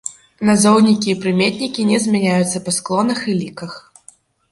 Назоўнікі і прыметнікі не змяняюцца па склонах і ліках.